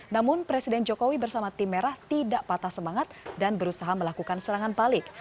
namun presiden jokowi bersama tim merah tidak patah semangat dan berusaha melakukan serangan balik